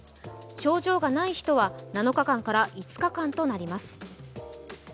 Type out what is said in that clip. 症状がない人は７日間から５日間となります。